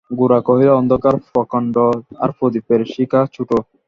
গোরা কহিল, অন্ধকার প্রকাণ্ড আর প্রদীপের শিখা ছোটো।